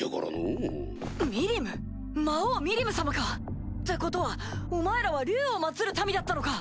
魔王ミリム様か⁉ってことはお前らは竜を祀る民だったのか！